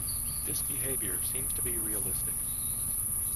This behavior seems to be realistic.